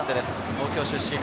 東京出身。